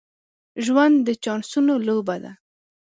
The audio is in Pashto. ژوند د چانسونو لوبه ده.